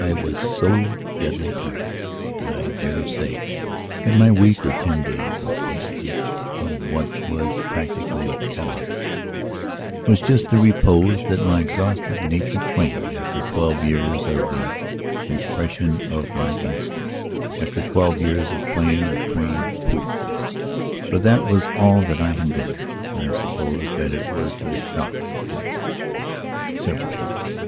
I was so deadly tired. And I dare say that my week or ten days of affaissementof what was practically catalepsywas just the repose that my exhausted nature claimed after twelve years of the repression of my instincts, after twelve years of playing the trained poodle. For that was all that I had been. I suppose that it was the shock that did itthe several shocks.